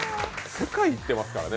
世界行ってますからね。